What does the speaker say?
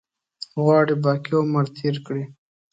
غواړي باقي عمر تېر کړي.